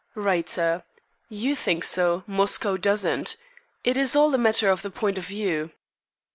"Writer: You think so; Moscow doesn't. It is all a matter of the point of view.